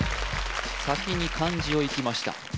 先に漢字をいきました